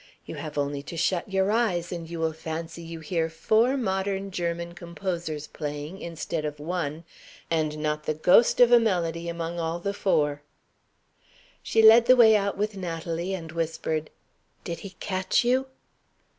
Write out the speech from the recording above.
You have only to shut your eyes, and you will fancy you hear four modern German composers playing, instead of one, and not the ghost of a melody among all the four." She led the way out with Natalie, and whispered, "Did he catch you?"